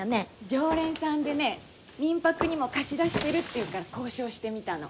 常連さんでね民泊にも貸し出してるっていうから交渉してみたの。